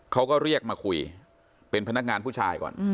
เขาก็เรียกมาคุยเป็นพนักงานผู้ชายก่อน